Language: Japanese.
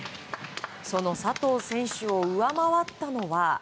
その佐藤選手を上回ったのは。